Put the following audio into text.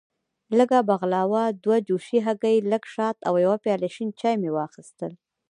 لږه بغلاوه، دوه جوشې هګۍ، لږ شات او یو پیاله شین چای مې واخیستل.